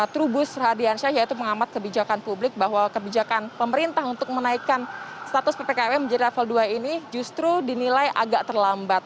trubus radiansyah yaitu pengamat kebijakan publik bahwa kebijakan pemerintah untuk menaikkan status ppkm menjadi level dua ini justru dinilai agak terlambat